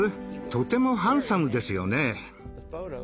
とてもハンサムですよね。